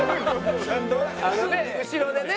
あのね後ろでね。